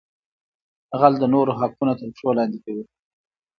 غل د نورو حقونه تر پښو لاندې کوي